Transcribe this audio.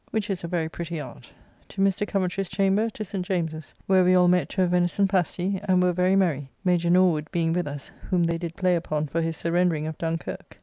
] which is a very pretty art), to Mr. Coventry's chamber to St. James's, where we all met to a venison pasty, and were very merry, Major Norwood being with us, whom they did play upon for his surrendering of Dunkirk.